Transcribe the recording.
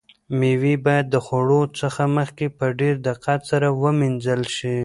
مېوې باید د خوړلو څخه مخکې په ډېر دقت سره ومینځل شي.